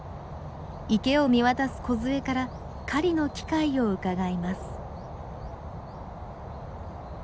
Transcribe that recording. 池を見渡すこずえから狩りの機会をうかがいます。